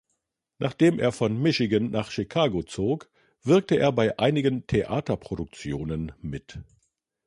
Nachdem er von Michigan nach Chicago zog, wirkte er bei einigen Theaterproduktionen mit.